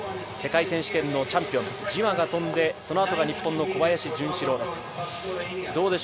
世界選手権のチャンピオン、ジワが飛んでそのあとが日本の小林潤志郎です。